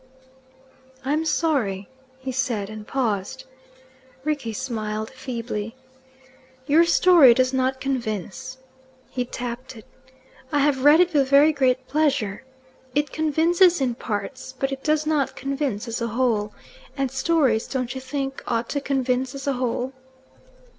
"I'm sorry," he said, and paused. Rickie smiled feebly. "Your story does not convince." He tapped it. "I have read it with very great pleasure. It convinces in parts, but it does not convince as a whole; and stories, don't you think, ought to convince as a whole?"